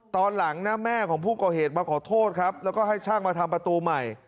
ตอนหลังนะแม่ของผู้ก่อเหตุมาขอโทษครับแล้วก็ให้ช่างมาทำประตูใหม่